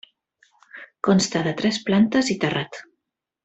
Consta de tres plantes i terrat.